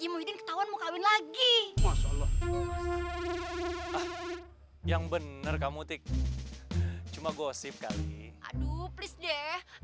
muhyidin ketahuan mau kawin lagi yang bener kamu tik cuma gosip kali aduh please deh